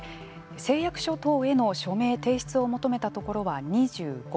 誓約書等への署名・提出を求めたところは２５。